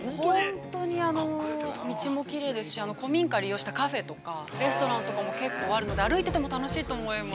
◆本当に道もきれいですし、古民家を利用したカフェとか、レストランとかも結構あるので、歩いてても楽しいと思います。